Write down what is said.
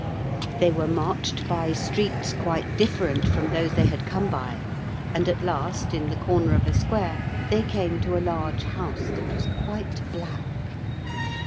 They were marched by streets quite different from those they had come by, and at last in the corner of a square they came to a large house that was quite black.